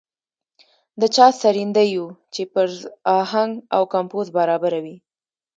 د چا سرېنده يو څه پر اهنګ او کمپوز برابره وي.